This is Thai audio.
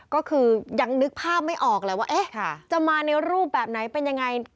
ก็คือยังนึกภาพไม่ออกเลยว่าจะมาในรูปแบบไหนเป็นยังไง